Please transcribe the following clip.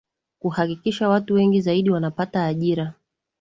kuhakikisha watu wengi zaidi wanapata ajira